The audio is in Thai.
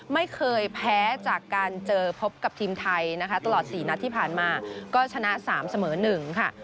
ไม่เคยแพ้จากการเจอพบกับทีมไทยนะคะตลอด๔นัดที่ผ่านมาก็ชนะ๓เสมอ๑ค่ะ